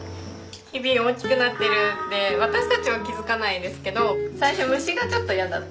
日々大きくなってるって私たちは気づかないですけど最初虫がちょっとやだった？